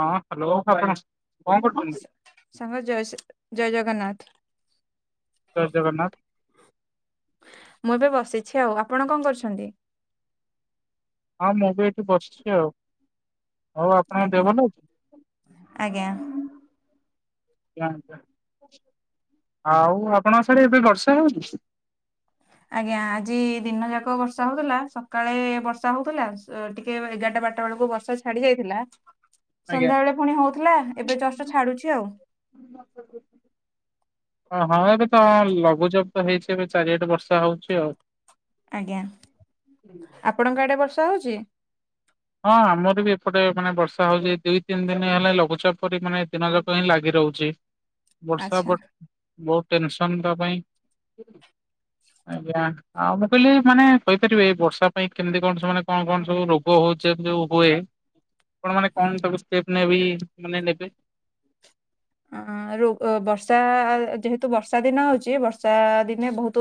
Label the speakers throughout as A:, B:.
A: ହଁ ହ୍ୟାଲୋ ଆପଣ କଣ କରୁଛନ୍ତି?
B: ସାଙ୍ଗ ଜୟ ଜୟ ଜଗନ୍ନାଥ
A: ଜୟ ଜଗନ୍ନାଥ
B: ମୁଁ ଏବେ ବସିଛି ଆଉ ଆପଣ କଣ କରୁଛନ୍ତି
A: ହଁ ମୁଁ ବି ଏଇଠି ବସିଛି ଆଉ ହଉ ଆପଣ
B: ଆଜ୍ଞା
A: ଦେବନ
B: ଆଜ୍ଞା।
A: ଆଉ ଆପଣଙ୍କ ସାର ଏବେ ବର୍ଷା ହଉନି
B: ଆଜ୍ଞା ଆଜି ଦିନ ଯାକ ବର୍ଷା ହଉଥିଲା ସକାଳେ ବର୍ଷା ହଉଥିଲା ଟିକେ ଚାରଟା ବଟା ବେଳକୁ ବର୍ଷା ଛାଡି ଯାଇଥିଲା
A: ଆଜ୍ଞା।
B: ସନ୍ଧ୍ୟା ବେଳେ ପୁଣି ହଉଥିଲା ଏବେ ଚଷ୍ଟଟା ଛାଡୁଛି ଆଉ
A: ଓ ହଁ ଏବେ ତ ଲଘୁଚାପ ତ ହେଇଛି ଏବେ ଚାରିଆଠେ ବର୍ଷା ହଉଛି ଆଉ
B: ଆଜ୍ଞା ଆପଣଙ୍କ ଆଡେ ବର୍ଷା ହଉଛି
A: ହଁ ଆମର ବି ଏପଟେ ମାନେ ବର୍ଷା କଥା ହଉଛି ଦୁଇ ତିନି ଦିନ ହେଲେ ଲଘୁଚାପ ପରି ମାନେ ଦିନ ଯାକ ହିଁ ଲାଗି ରହୁଛି ବର୍ଷା
B: ଆଚ୍ଛା
A: ବଷ ବହୁତ ଟେନସନ ତା ପାଇଁ ଆଜ୍ଞା ଆଉ ମୁଁ କହିଲି ମାନେ କହିପାରିବି ବର୍ଷା ପାଇଁ କେମିତି କଣ ସ ମାନେ କଣ କଣ ସବୁ ରୋଗ ହଉଛି ଜ ଯେ ହୁଏ ଆଣ ମାନେ କଣ ସବୁେପ ନେବ ମାନେ ନେବେ
B: ର ବର୍ଷା ଯେହେତୁ ବର୍ଷା ଦିନ ହଉଛି ବର୍ଷା ଦିନେ ବହୁତ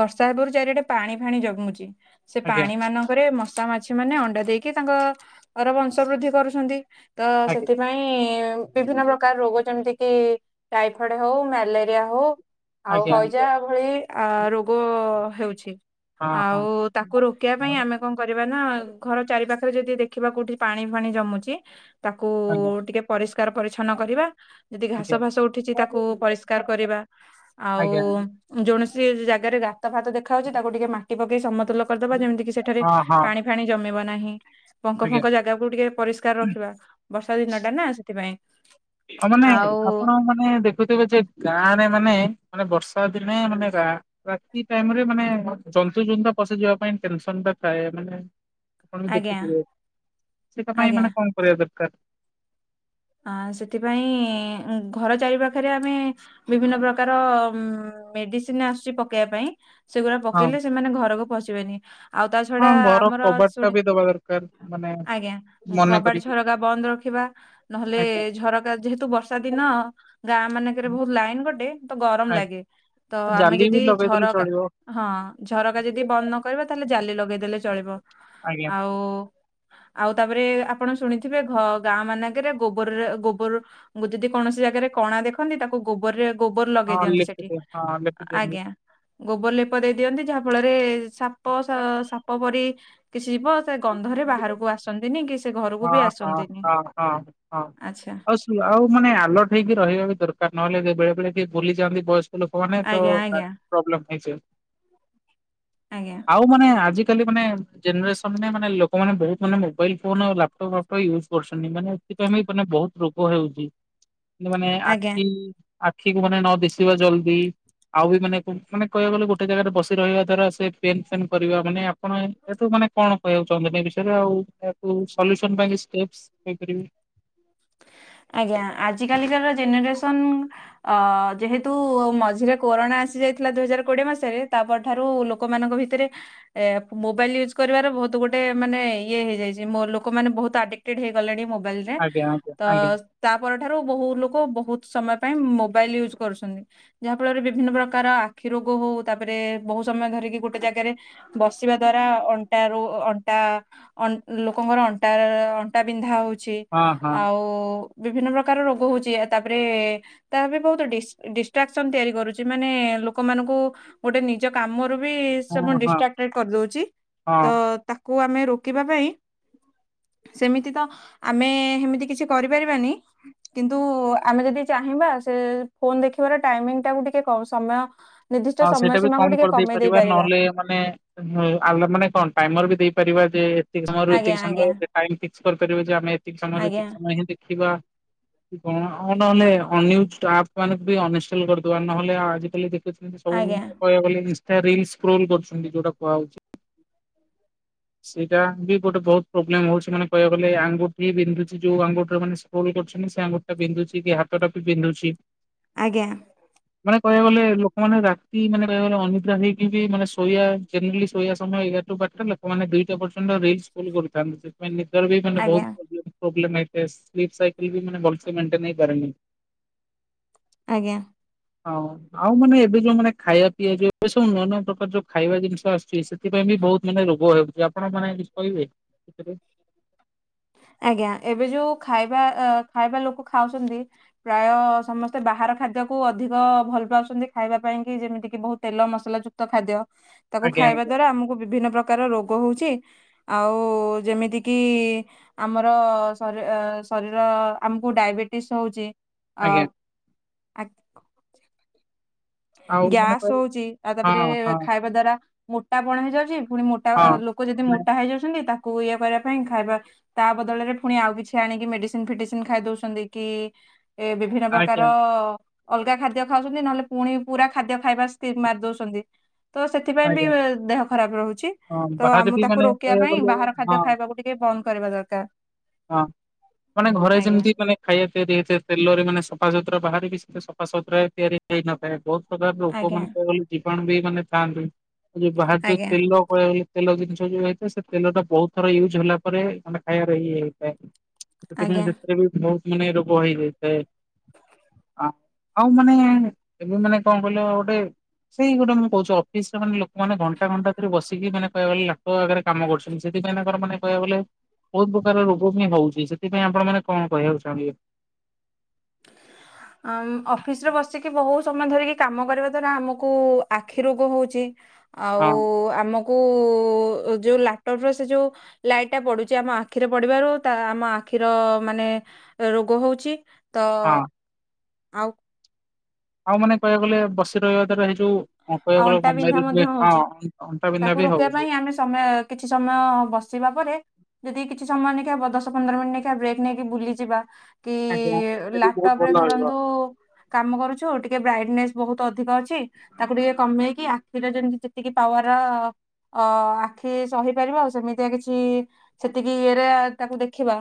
B: ବର୍ଷା ଚାରିଆଟେ ପାଣି ଫାଣି ଜମୁଛି ସେ
A: ଆଜ୍ଞା
B: ପାଣି ମାନଙ୍କରେ ମଶା ମାଛି ମାନେ ଅଣ୍ଡା ଦେଇକି କି ତାଙ୍କର ବଂଶ ବୃଦ୍ଧି କରୁଛନ୍ତି ତ
A: ଆଜ୍ଞା
B: ସେଥିପାଇଁ ବିଭିନ୍ନ ପ୍ରକାର ରୋଗ ଯେମିତି କିି ଟାଇଫଏଡ ହଉ ମ୍ୟାଲେରିଆ ହଉ ଆଉ
A: ଆଜ୍ଞା
B: ହଇଜା
A: ଆଜ୍ଞା
B: ଭଳି ଆ ରୋଗ ହେଉଛି
A: ହଁ
B: ଆଉ ତାକୁ ରୋକିବା ପାଇଁ
A: ହଁ।
B: ଆମେ କଣ କରିବା ନା ଘର ଚାରି ପାଖ ପାରେ ଯଦି ଦେଖିବା କୋଉଠି ପାଣି ଫାଣି ଜମୁଛି ତାକୁ
A: ଆଜ୍ଞା
B: ଟିକେ ପରିଷ୍କାର ପରିଚ୍ଛନ କରିବା ଯଦି
A: ଆଜ୍ଞା। ଆଜ୍ଞା
B: ଘାସ ଫାସ ଉଠିଛି ତାକୁ ପରିଷ୍କାର କରିବା ଆଉ କୌଣସି ଜାଗାରେ ଗାତ ଫାତ ଦେଖାାଯାଉଛି ତାକୁ ଟିକେ ମାଟି ପକେଇ ସମସ୍ତେ ଲ କରିଦବା ଯେମିତି କି ସେଠାରେ
A: ହଁ ହଁ
B: ପାଣି ଫାଣି ଜମିବ ନାହିଁ ପଙ୍କ
A: ଆଜ୍ଞା
B: ଫଙ୍କ ଜାଗାକୁୁ ଟିକେ ପରିଷ୍କାର ରଖିବା ବର୍ଷା ଦିନ ଟା ନା ସେଥିପାଇଁ
A: ହଁ ମାନେ
B: ଆଉ
A: ଆପଣ ମାନେ ଦେଖୁଥିବେ ଯେ ଗାଁରେ ମାନେ ମାନେ ବର୍ଷା ଦିନେ ମାନେ ରାତି ଟାଇମରେ ମାନେ ଜନ୍ତୁ ଜନ୍ତୁ ପଶିଯିବା ପାଇଁ ଟେନସନ ଥାଏ ମାନେ ଆପଣ
B: ଆଜ୍ଞା
A: ଦେଖିଥିବେ ସେଟା ପାଇଁ
B: ଆଜ୍ଞା
A: ମାନେ କଣ କରିବା ଦରକାର
B: ଆ ସେଥିପାଇଁ ଘର ଚାରି ପାଖରେ ଆମେ ବିଭିନ୍ନ ପ୍ରକାର ଉ ମେଡିସିନ ଆସୁଛି ପକେଇବା ପାଇଁ ସେଗୁଡା
A: ହଁ
B: ପକେଇଲେ ସେମାନେ ଘରକୁ ପଶିବେନି ଆଉ ତା
A: ହଁ
B: ଛଡା
A: ଘର
B: ଆମର
A: କବାଟଟା
B: ଶୁଣି
A: ବି ଦବା ଦରକାର ମାନେ
B: ଆଜ୍ଞା
A: ମନେ
B: କବାଟ
A: କରିକି
B: ଝରକା ବନ୍ଦ ରଖିବ ନହେଲେ
A: ଆଜ୍ଞା
B: ଝରକା ଯେହେତୁ ବର୍ଷା ଦିନ ଗାଁ ମାନଙ୍କରେ ବହୁତ ଲାଇନ ଗଟେ ତ ଗରମ
A: ଆଜ୍ଞା
B: ଲାଗେ ତ ଆମେ
A: ଜାଲି ବି
B: ଯଦି
A: ଲଗେଇଦେଲେ
B: ଝରକା
A: ଚଳିବ।
B: ହଁ ଝରକା ଯଦି ବନ୍ଦ ନକ ତାହେଲେ ଜାଲି ଲଗେଇ ଦେଲେ ଚଳିବ
A: ଆଜ୍ଞା
B: ଆଉ ଆଉ ତାପରେ ଆପଣ ଶୁଣିଥିବେ ଗାଁ ମାନଙ୍କରେ ଗୋବରରେ ଗୋବର ଯଦି କୌଣସି ଜାଗାରେ କଣା ଦେଖନ୍ତି ତାକୁ ଗୋବରରେ ଗୋବର ଲଗେଇ
A: ହଁ
B: ଦିଅନ୍ତି ସେଠି
A: ଲେଖିଦିଅ ହଁ ଲେଖିଦିଅ
B: ଆଜ୍ଞା ଗୋବର ଲେପ ଦେଇ ଦିଅନ୍ତି ଯାହା ଫଳରେ ସାପ ସ-ସାପ ପରି ଥିବ ସେ ଗନ୍ଧରେ ବାହାରକୁ ଆସନ୍ତିନି କି ସେ ଘରକୁ
A: ଓହୋ
B: ବି
A: ହଁ
B: ଆସନ୍ତିନି।
A: ହଁ। ହଁ
B: ଆଚ୍ଛା
A: ଆଉ ସ ଆଉ ମାନେ ଆଲର୍ଟ ହେଇକି ରହିବା ବି ଦରକାର ନହେଲେ ବେଳେ ବେଳେ ଟିକେ ଭୁଲି ଯାଆନ୍ତି ବୟସ [unintelligible] ଫୋନରେ ତ
B: ଆଜ୍ଞା
A: ତା
B: ଆଜ୍ଞା
A: ପ୍ରୋବ୍ଲେମ ହେଇଛି।
B: ଆଜ୍ଞା
A: ଆଉ ମାନେ ଆଜି କାଲି ମାନେ ଜେନରେଶନରେ ମାନେ ଲୋକମାନେେ ବହୁତ ମାନେ ମୋବାଇଲ ଫୋନ ଆଉ ଲାପ ଟପ୍ ଫ୍ୟାପଟପ୍ ୟୁଜ କରୁଛନ୍ତି ମାନେ ଏଥିପାଇଁ ବି ମାନେ ବହୁତ ରୋଗ ହେଉଚି। ମାନେ
B: ଆଜ୍ଞା।
A: ଆଖି ଆଖିକୁ ମାନେ ନ ଦିଶିବା ଜଲଦି। ଆଉ ବି ମାନେ ମାନେ କହିବାକୁ ଗଲେ ଗୋଟେ ଜାଗାରେ ବସି ରହିବା ଦ୍ୱାରା ସେ ପେନ୍ ଫେନ୍ କରିବା, ମାନେ ଆପଣ ଯେହେତୁ ମାନେ କଣ କହିବାକୁ ଚାହୁଁଛନ୍ତି ଏ ବିଷୟରେ ଆଉ ଏହାକୁ ସଲ୍ୟୁସନ୍ ପାଇଁ କିଛି ଷ୍ଟେପ୍ସ କହିପାରିବେ?
B: ଆଜ୍ଞା ଆଜିକାଲିକାର ଜେନେରେସନ ଅ ଯେହେତୁ ମଝିରେ କୋରୋନା ଆସି ଯାଇଥିଲା ଦୁଇ ହଜାର କୋଡିଏ ମସିହାରେ, ତା ପରଠାରୁ ଲୋକମାନଙ୍କ ଭିତରେ ଏ ମୋବାଇଲ ୟୁଜ୍ କରିବାର ବହୁତ ଗୋଟେ ମାନେ ଇଏ ହେଇଯାଇଛି ମୋ ଲୋକମନେ ବହୁତ ଆଡିକଟେଡ ହେଇଗଲେଣି ମୋ ବାଇଲ୍ ରେ
A: ଆଜ୍ଞା ଆଜ୍ଞା
B: ତ
A: ଆଜ୍ଞା
B: ତା ପରଠାରୁ ବହୁ ଲୋକ ବହୁତ ସମୟ ପାଇଁ ମୋବାଇଲ ୟୁଜ୍ କରୁଛନ୍ତି ଯାହାଫଳରେ ବିଭିନ୍ନ ପ୍ରକାର ଆଖି ରୋଗ ହଉ, ତାପରେ ବହୁତ ସମୟ ଧରିକି ଗୋଟେ ଜାଗାରେ ବସିବା ଦ୍ଵାରା ଅଣ୍ଟା ରୁ ଅଣ୍ଟା ଅ ଲୋକଙ୍କର ଅଣ୍ଟା ଅଣ୍ଟା ବିନ୍ଧା ହଉଛି।
A: ହଁ ହଁ
B: ଓ ବିଭିନ୍ନ ପ୍ରକାର ରୋଗ ହଉଛି ଏଇଆ ତାପରେ ତା ବହୁତ ଡିସ ଡିଷ୍ଟ୍ରାକ୍ସନ ତିଆରି କରୁ ଚି ମାନେ ଲୋକମାନଙ୍କୁ ଗୋଟେ ନିଜ କାମ ବି ସବୁ
A: ହଁ ହଁ
B: ଡିଷ୍ଟ୍ରାକଟେଡ କର ଦଉଚି, ତ
A: ହଁ
B: ତା କୁ ଆମେ ରୋକିବା ପାଇଁ ସେମିତି ତ ଆମେ ହେମିତି କିଛି କରିପାରିବାନି କିନ୍ତୁ ଆମେ ଯଦି ଚାହିଁବା ସେ ଫୋନ ଦେଖିବାର ଟାଇମିଙ୍ଗ ଟାକୁ ଟି କେ କହୁ ସମୟ ନିର୍ଦ୍ଦିଷ୍ଟ
A: ହଁ
B: ସମୟ
A: ସେଇଟା ବି
B: ସୀମାକୁ
A: କମ
B: ଟିକେ
A: କରିଦେଇ
B: କମେଇ ଦେଇ
A: ପାରିବା, ନହେଲେ ମାନେ ଆଲ ମାନେ କଣ ଟାଇମର ବି ଦେଇ ପାରିବା ଯେ ଏତିକି ସମୟରୁ
B: ଆଜ୍ଞା
A: ଏତିକି
B: ଆଜ୍ଞା
A: ସମୟ ଟାଇମ୍ ଫିକ୍ସ କରିପାରିବା ଯେ ଆମେ ଏତିକି ସମୟରୁ
B: ଆଜ୍ଞା
A: ଏତିକି ସମୟ ହିଁ ଦେଖିବା। କଣ ଆଉ ନହେଲେ ଅନ୍ ୟୁଜଡ୍ ଆପ ଆମେ ବି ଅନଇଷ୍ଟଲ କରିଦବା ନହେଲେ ଆଉ ଆଜିିକାଲି [unintelligible] ସବୁ
B: ଆଜ୍ଞା
A: [unintelligible] କହିବାକୁ ଗଲେ ଇାନଷ୍ଟା ରିଲ ସ୍କ୍ରୋଲ କରୁଛନ୍ତି ଯୋଉଟା କୁହା ହଉଚି? ସେଇଟା ବି ଗୋଟେ ବହୁତ ପ୍ରୋବ୍ଲେମ ହଉଚି ମାନେ କହିଆକୁ ଗଲେ ଆଙ୍ଗୁଠି ବିନ୍ଧୁଛି ଯୋଉ ଆଙ୍ଗୁଠିରେ ମାନେ ସ୍କ୍ରୋଲ କର ଚନ୍ତି ସେ ଆଙ୍ଗୁଠିଟା ପନ୍ଧୁଛି କି ହାତଟା ବି ବିନ୍ଧୁଛି।
B: ଆଜ୍ଞା।
A: ମାନେ କହିଆକୁ ଗଲେ ଲୋକମାନେ ରା ତି ମାନେ ବେଳେବେଳେ ଅନିଦ୍ରା ହେଇକି ବି ମାନେ ଶୋଇଆ ଜେନରାଲି ଶୋଇଆ ସମୟ ଏଗାରଠଟାରୁ ବାରଟା, ଲୋକମାନେ ଦୁଇଟା ପର୍ଯ ନ୍ତ ରିଲ ସ୍କ୍ରୋଲ କରୁଥାନ୍ତି, ସେଥିପାଇଁ ନିଜର ବି ମାନେ
B: ଆଜ୍ଞା
A: ବହୁତ ପ୍ରୋବଲେମ ପ୍ରୋବଲେମ ହେଇଥାଏ, [unintelligible] ସାଇକେଲ ବି ମାନେ ବଡିର ମେଣ୍ଟେନ ହେଇ ପାରେନି।
B: ଆଜ୍ଞା।
A: ଆଉ ଆଉ ମାନେ ଏବେ ଯୋଉ ମାନେ ଖାଇଆ ପିଇଆ ଯୋଉଁ ଏବେ ସବୁ ନୂଆ ନୂଆ ପ୍ରକାର ଯୋଉ ଖାଇବା ଜିନିଷ ଆସୁଛି, ସେଥିପାଇଁ ବି ବହୁତ ମାନେ ରୋଗ ବାହାରୁଛି, ଆପଣ ମାନେ କିଛ କହିବେ [unintelligible]
B: ଆଜ୍ଞା। ଏବେ ଯୋଉ ଖାଇବା ଅ ଖାଇବା ଲୋକ ଖାଉଛନ୍ତି ପ୍ରାୟ ସମସ୍ତେ ବା ବାହାର ଖାଦ୍ୟକୁ ଅଧିକ ଭଲ ପାଉଛନ୍ତି ଖାଇବା ପାଇଁ କି, ଯେମିତି କିି ବହୁତ ତେଲ ମସଲା ଯୁକ୍ତ ଖାଦ୍ୟ। ତାକୁ
A: ଆଜ୍ଞା
B: ଖାଇବା
A: ଆଜ୍ଞା
B: ଦ୍ଵାରା ଆମକୁ ବିଭିନ୍ନ ପ୍ରକାର ରୋ ଗ ହଉଚି ଆଉ ଯେମିତି କିି ଆମର ଶରୀ ଶରୀର ଆମକୁ ଡାଇବେଟିସ୍ ହଉଚି। ଆ
A: ଆଜ୍ଞା
B: ଆକ
A: ଆଉ ମାନେ
B: ଗ୍ୟାସ
A: କହ
B: ହଉଚି, ଆଉ ତାପରେ
A: ହଁ ହଁ
B: ଖାଇବା ଦ୍ଵାରା ମୋଟାପଣ ହେଇଯାଉଚି। ପୁଣି ମୋଟା
A: ହଁ
B: ଲୋକ ଯଦି
A: ମାନେ
B: ମୋଟା ହେଇଯାଉଛନ୍ତି, ତା କୁ ଇଏ କରିବା ପାଇଁ ଖାଇବା, ତା ବଦଳରେ ପୁଣି ଆଉ କିଛି ଆଣିକି ମେଡିସିନ ଫେଡିସିନ ଖାଇ ଦଉଛନ୍ତି କି ଏ ବିଭିନ୍ନ ପ୍ରକାର
A: ଆଜ୍ଞା
B: ଅଲଗା ଖାଦ୍ୟ ଖାଉଛନ୍ତି ନହେଲେ ପୁଣି ପୁରା ଖାଦ୍ୟ ଖାଇବା ସ୍ଥି ମାରି ଦଉଛନ୍ତି। ତ ସେଥିପାଇଁ ବି
A: ଆଜ୍ଞା
B: ଦେହ ଖରାପ ରହୁଛି
A: ହଁ
B: ତ
A: ବାହାରେ
B: ଆମକୁ
A: ବି
B: ତାକୁ
A: ମାନେ
B: ରୋକିବା ପାଇଁ
A: କହିବାକୁ ଗଲେ
B: ବାହାର
A: ହଁ
B: ଖାଦ୍ୟ ଖାଇବାକୁ ଟିକେ ବ ଅମ୍ କରିବା ଦରକାର।
A: ହଁ ମାନେ ଘରେ
B: ଆଜ୍ଞା
A: ଯେମିତି ମାନେ ଖାଇବା ତିଆରି ହେଇଥାଏ ତେଲରେ ମାନେ ସ ଫାସୁତୁରା ବାହାରେକି ସେ ସଫାସତୁରା ତିଆରି ହେଇନଥାଏ ବହୁତ ପ୍ରକାରର ଉପମାନ।
B: ଆଜ୍ଞା
A: [unintelligible] [unintelligible] ମାନେ ଥାଆନ୍ତି ଯୋଉ ବାହାର ଯୋ
B: ଆଜ୍ଞା
A: ତେଲ କହିବାକୁଗଲେ ତେଲ ଜିନ ଉ ହେଇଥାଏ ସେ ତେଲତ ବହୁତ ଥର ୟୁଜ୍ ହେଲା ପରେ ମାନେ ଖାଇବାରେ ଇଏ ହେଇଥାଏ। ସେଥିପାଇଁ
B: ଆଜ୍ଞା
A: ସେଥିରେ ବି ବହୁତ ମାନେ ରୋଗ ହେଇଯାଇଥାଏ। ଆଉ ମାନେ ଏବେ ମାନେ କଣ କହିଲ ଗୋଟେ ସେଇ ଗୋଟେ ମୁ କହୁଛି [unintelligible] ଲୋକମାନେ ଘଣ୍ଟା ଘଣ୍ଟା ଧରି ବସିକି ମାନେ କହିବା ଗଲେ ଲାଟ ଆଗରେ କାମ କରୁଛନ୍ତି ସେଥିପାଇଁ ତାଙ୍କର ମାନେ କହିବାକୁଗଲେ ବହୁତ ପ୍ରକାର ରୋଗମୀ ହଉଛି ସେଥିପାଇଁ ଆପଣ ମାନେ କଣ କହିବାକୁ ଚାହିଁବେ।
B: ଅଫିସ ରେ ବସିକି ବହୁ ସମୟ ଧରିକି କାମ କରିବା ଦ୍ଵାରା ଆମକୁ ଆଖି ରୋଗ ହଉଛି।
A: ହଁ
B: ଆଉ ଆମକୁ ଯୋଉ ଲାଟପ୍ ର ସେ ଯୋଉ ଲାଇଟ୍ ଟା ପଡୁଛି ଆମ ଆଖିରେ ପଡିବାରୁ ତା ଆମ ଆଖିର ମାନେ ରୋଗ ହଉଛି ତ
A: ହଁ
B: ଆଉ
A: ଆଉ ମାନେ କହିବାକୁ ଗଲେ ବସି ରହିବା ଦ୍ଵାରା ଏଇ ଯୋଉ ହଁ
B: ଆଉ
A: କହିବାକୁ ଗଲେ
B: ଅଣ୍ଟା ବିନ୍ଧା
A: ମ୍ୟାରେଜ୍
B: ମଧ୍ୟ
A: ରେ ହଁ
B: ହଉଛି
A: ଅଁ ଅଣ୍ଟା ବିନ୍ଧା
B: ତାକୁ
A: ବି
B: ରୋକିବା
A: ହଉଛି।
B: ପାଇଁ ଆମେ ସମୟ କିଛି ସମୟ ବସିବା ପରେ ଯଦି କିଛି ସମୟ ନେଇକା ବଦଶ ପନ୍ଦର ମିନିଟ୍ ନେଇକା ବ୍ରେକ୍ ନେଇକି ବୁଲିଯିବା କି
A: ଆଜ୍ଞା ସେଟା ବି ବହୁତ
B: ଲାଟପ୍ ରେ
A: ଭଲ ରହିବ
B: ଧରନ୍ତୁ କାମ କରୁଛୁ ଟିକେ ବ୍ରାଇଟନେସ୍ ବହୁତ ଅଧିକ ଅଛି ତାକୁ ଟିକେ କମେଇକି ଆଖିର ଯେମିତି ଯେତିକି ପାୱାର ଅ ଆଖି ସହିପାରିବା ଆଉ ସେମିତିଆ କିଛି ସେତିକି ଇଏରେ ତାକୁ ଦେଖିବା।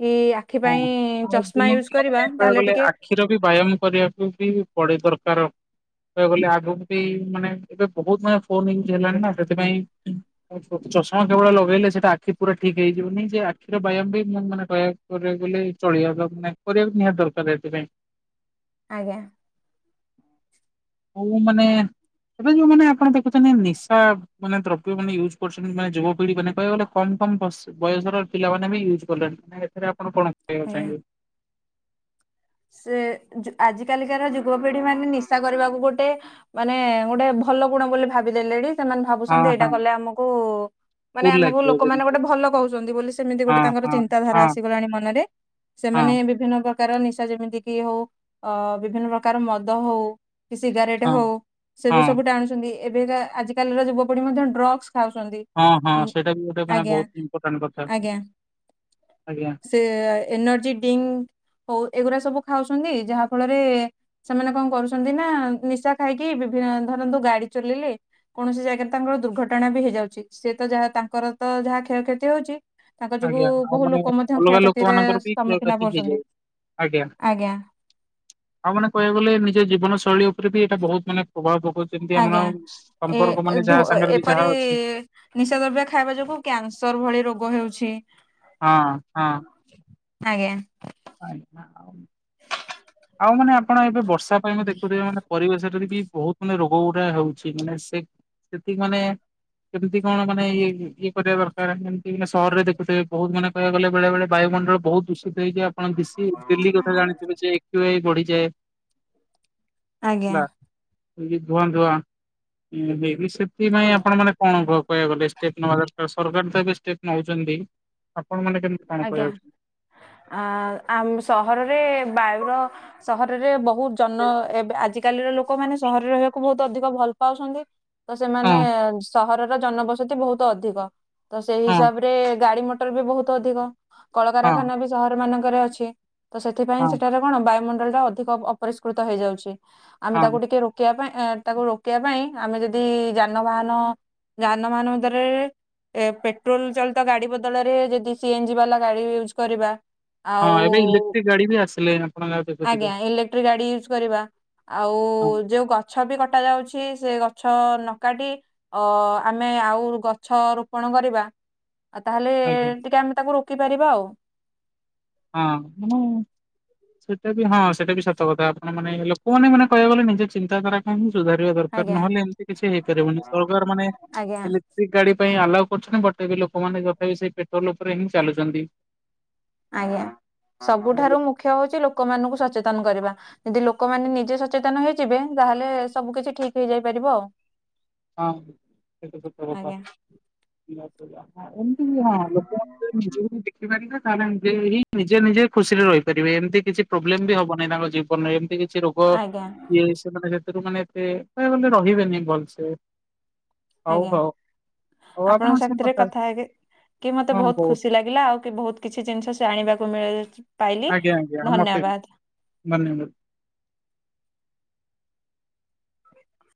B: କି ଆଖି
A: ହଁ
B: ପାଇଁ
A: ଆଉ
B: ଚଷମା ୟୁଜ୍
A: ଦିନକୁ ଦିନ
B: କରିବା
A: ମାନେ କହିବାକୁ
B: ତାହେଲେ
A: ଗଲେ
B: ଟିକେ
A: ଆଖିର ବି ବ୍ୟାୟାମ କରିବାକୁ ବି ପଡେ ଦର ତାର। କହିବାକୁ ଗଲେ ଆଗକୁ ବି ମାନେ ଏବେ ବହୁତ ମାନେ ଫୋନ ଇୟୁଜ୍ ହେଲାଣି ନା ସେଥିପାଇଁ ଚଷମା କେବେଳ ଲଗେଇଲେ ସେଟା ଆଖି ପୁରା ଠିକ୍ ହେଇଯିବନିଁ ଯେ ଆଖିର ବ୍ୟାୟାମ ବି ନିଅନ୍ ମାନେ କହିବା କରିବାକୁ ଗଲେ ଚଳିବ ଦର କରିବାକୁ ନିହାତି ଦରକାର ଏଥିପାଇଁ।
B: ଆଜ୍ଞା।
A: ହଉ ମାନେ ଏବେ ଯୋଉମାନେ ଆପଣ ଦେଖୁଛନ୍ତି ନିଶା ମାନେ ଦ୍ରବ୍ୟ ମାନେ ୟୁଜ୍ କରୁଛନ୍ତି ମାନେ ଯୁବପିଢି ମାନେ କହିବା ଗଲେ କମ୍ କମ୍ବର୍ଷ ବୟସର ପିଲମାନେ ବି ୟୁଜ କଲେଣି ମାନେ ଏଥିରେ ଆପଣ କଣ କହିବାକୁ
B: ଆଜ୍ଞା।
A: ଚାହିଁବେ।
B: ସେ ଆଜିକାଲିକାର ଯୁବପିଢି ମାନେ ନିଶା କରିବାକୁ ଗୋଟେ ମାନେ ଗୋଟେ ଭଲ ଗୁଣ ବୋଲି ଭାବିଦେଲେଣି ସେମାନେ
A: ହଁ
B: ଭାବୁଛନ୍ତି ଏଇଟା
A: ହଁ
B: କଲେ ଆମକୁ ମାନେ
A: କୁଲ
B: ଆମକୁ
A: ଲାଗିବ
B: ଲୋକମାନେ
A: ଯେମିତି
B: ଗୋଟେ ଭଲ କହୁଛନ୍ତି ବୋଲି ସେମିତି
A: ହଁ
B: ଗୋଟେ ତାଙ୍କର
A: ହଁ
B: ଚିନ୍ତାଧାରା
A: ହଁ
B: ଆସିଗଲାଣି ମନରେ।
A: ହଁ
B: ସେମାନେ ବିଭିନ୍ନ ପ୍ରକାର ନିଶା ଯେମିତି କିି ହଉ ଅ ବିଭିନ୍ନ ପ୍ରକାର ମଦ ହଉ କି ସିଗାରେଟ
A: ହଁ
B: ହଉ ସେବେ
A: ହଁ।
B: ସବୁ ଟାଣୁଛନ୍ତି ଏବେକା ଆଜିକାଲିର ଯୁବପିଢି ମଧ୍ୟ ଡ୍ରଗ୍ସ ଖାଉଛନ୍ତି
A: ହଁ ହଁ ସେଇଟା ବି ଗୋଟେ ମାନେ
B: ଆଜ୍ଞା
A: ବହୁତ ଇମ୍ପୋର୍ଟାଣ୍ଟ କଥା
B: ଆଜ୍ଞା।
A: ଆଜ୍ଞା
B: ସେ ଏନର୍ଜି ଡ୍ରିଙ୍କ ହଉ ଏଗୋ ଏଳା ସବୁ ଖାଉଛନ୍ତି ଯାହା ଫଳରେ ସେମାନେ କଣ କରୁଛନ୍ତି ନା ନିଶା ଖାଇକି ବିଭି ଧରନ୍ ଦୁ ଗାଡି ଚଳଇଲେ କୌଣସି ଜାଗାରେ ତାଙ୍କର ଦୁର୍ଘଟଣା ବି ହେଇଯାଉଛି ସେ ତ ଯାହା ତାଙ୍କର ତ ଯାହା କ୍ଷୟକ୍ଷତି କେତି ହଉଛି ତାଙ୍କ ଯୋଗୁ
A: ଆଜ୍ଞା ଆଉ
B: ବହୁ
A: ମାନେ
B: ଲୋକ ମଧ୍ୟ
A: ଅଲଗା
B: କ୍ଷୟକ୍ଷତିରେ
A: ଲୋକମାନଙ୍କର ବି
B: ସମ୍ମୁଖୀନ
A: କ୍ଷୟକ୍ଷତି
B: କରୁଛନ୍ତି।
A: ହେଇଯାଉଛି ଆଜ୍ଞା ଆଉ ମାନେ କହିବାକୁ ଗଲେ ନିଜ ଜୀବନ ଶୈଳୀ ଉପରେ ବି ଏଇଟା ବହୁତ ମାନେ ପ୍ରଭାବ ପକାଉଛି ଯେମିତି ଆମନ
B: ଆଜ୍ଞା ଏ ଏଧୁ ଏପରି ନିଶା ଦ୍ରବ୍ୟ ଖାଇବା ଯୋଗୁ କ୍ୟାନ୍ସର ଭଳି ରୋଗ ହୋଉ
A: ହଁ ହଁ।
B: ଆଜ୍ଞା।
A: ଆଞା ଆମ୍। ଆଉ ମାନେ ଆପଣ ଏବେ ବର୍ଷା ପାଇଁ ମୁ ଦେଖୁଥିବେ ମାନେ ପରିବେଶ ଟା ର ପି ବହୁତ ମାନେ ରୋଗ ଗୁଡା ହେଉଛି ମାନେ ସେ ସେତିକି ମାନେ କେମିତି କଣ ମାନେଇ ଇଏ କରିବା ଦରକାର କେମିତି ମାନେ ସହରରେ ଦେଖୁଥିବେ ବହୁତ ମାନେ କହିବାକୁ ଗଲେ ବେଳେ ବେଳେ ବାୟୁ ମଣ୍ଡଳ ବହୁତ ଦୂଷିତ ହେଇକି ଆପଣ ଦିଶି ଦିଲ୍ଲୀ କଥା ଜାଣିଥିବେ ଯେ ଏକ୍ୟୁଆଇ ବଢିଯାଏ।
B: ଆଜ୍ଞା।
A: ଖାଲି ଧୂଆଁ ଧୁଆଁ ବେବିଶିପ୍ଟୀ ପାଇଁ ଆପଣ ମାନେ କଣ ଅ କହିବାକୁ ଗଲେ ଷ୍ଟେପ୍ ନବା ଦରକାର ସରକାର ତ ଏବେ ଷ୍ଟେପ୍ ନଉଚନ୍ତି ଆପଣ ମାନେ କେମିତି କଣ କହିବା ଉଚିତ
B: ଆଉ ସହରରେ ବାୟୁର ସହରରେ ବ ବହୁତ୍ ଜନ ଏବେ ଆଜିକାଲିର ଲୋକମାନେ ସହରରେ ରହିବାକୁ ବହୁତ ଅଧିକ ଭଲ ପାଉଶନ୍ତି। ତ ସେମାନେ
A: ହଁ
B: ସହରର ଜନବସତି ବହୁତ ଅଧିକ ତ ସେଇ
A: ହଁ
B: ହିସାବରେ ଗାଡି ମଟ ଟର ବି ବହୁତ ଅଧିକ
A: ହଁ
B: କଳକାରଖାନା ବି ସହର ମାନଙ୍କରେ ଅଛି ତ ସେଥିପାଇଁ
A: ହଁ
B: ସେଠାରେ କଣ ବାୟୁମ ଣ୍ଡଳ ଟା ଅଧିକ ଅପରିଷ୍କୃତ ହେଇ ଯାଉଛି ଆମେ ତାକୁ
A: ହଁ
B: ଟିକେ ରୋକିବା ପାଇଁ ଏଁ ତାକୁ ରୋକିବା ପାଇଁ ଆମେ ଯଦି ଯାନବାହାନ ଯାନ ବାହନ ଭିତରେ ଏ ପେଟ୍ରୋଲ ଚଳିତ ଗାଡି ବଦଳରେ ଯଦି ସିଏଞ୍ଜି ବାଲା ଗାଡି ୟୁଜ୍ କରିବା
A: ହଁ
B: ଆଉ
A: ଏବେ ଇଲେକ୍ଟ୍ରିକ ଗାଡି ବି ଆସିଲେ ଆପଣ ଯାହା ଦେଖୁଥିବେ।
B: ଆଜ୍ଞା ଇଲେକ୍ଟ୍ରିକ ଗାଡି ୟୁଜ କରିବା ଆଉ
A: ହଁ
B: ଯୋଉ ଗଛ ବି କଟ କଟା ଯାଉଛି ସେ ଗଛ ନ କାଟି ଅ ଆମେ ଆଉ ଗଛ ରୋପଣ କରିବା।
A: [inaudible]
B: ଆଉ ତାହେଲେ
A: ଆଜ୍ଞା
B: ଟିକେ ଆମେ ତାକୁ ରୋକି ପାରିବା ଆଉ।
A: ହଁ ସେଇଟା ବି ହଁ ସେଇଟା ବି ସତ କଥା ଆପଣ ମାନେ ଲୋକମାନେ ମାନେ କହିବାକୁ ଗଲେ ନିଜେ ଚିନ୍ତାଧାରା କଣ କି ସୁଧାରିବା ଦରକାର
B: ଆଜ୍ଞା।
A: ନହେଲେ ଏମିତି କିଛି ହେଇପାରିବନି ସରକାର ମାନେ
B: ଆଜ୍ଞା
A: ଇଲେକ୍ଟ୍ରିକ ଗାଡି ସେଥିପାଇଁ ଆଲାଓ କରୁଛନ୍ତି ବଟ ଏବେ ଲୋକମାନେ ତଥାପି ସେଇ ପେଟ୍ରୋଲ ଉପରେ ହିଁ ଚାଲୁଚନ୍ତି।
B: ଆଜ୍ଞା ସବୁଠାରୁ ମୁଖ୍ୟ ହଉଛି ଲୋ ଲୋକମାନଙ୍କୁ ସଚେତନ କରିବା ଯଦି ଲୋକମାନେ ନିଜେ ସଚେତନ ହେଇଯିବେ ତାହେଲେ ସବୁ କିଛି ଠିକ ହେଇଯାଇପାରି ରିବ ଆଉ
A: ହଁ ସେତ ସତକଥା।
B: ଆଜ୍ଞା
A: ଏମତି ହଁ ଲୋକମାନେ ନିଜକୁ ବି ତିକ୍ତି ପାରିବା ତାହେଲେ ଏମିତି ହି ନିଜେ ନିଜେ ଖୁସି ରେ ରହିପାରିବେ ଏମିତି କିଛି ପ୍ରୋବ୍ଲେମ ବି ହବନାହିଁ ତାଙ୍କ ଜୀବନରେ ଏମିତି କିଛି କିଛି ରୋଗ
B: ଆଜ୍ଞା
A: କି ଇଏ ସେମାନେ ସେଥିରୁ ମାନେ ଏତେ କହିବାକୁ ଗଲେ ରହିବେନି ଭଲସେ ହୋଉ
B: ଆଜ୍ଞା।
A: ହଉ
B: ଆପଣଙ୍କ ସାଥିରେ କଥା ହେ କି ମତେ ବହୁତ ଖୁସି ଲାଗିଲା ଆଉ କି ବହୁତ କିଛି ଜିନିଷ ସେ ଯାଣିବାକୁ ମିଳେ
A: ଆଜ୍ଞା ଆଜ୍ଞା ମତେ ବି ଧନ୍ୟବାଦ।
B: [inaudible]